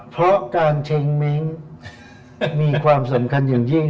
เพราะการเช้งเม้งมีความสำคัญอย่างยิ่ง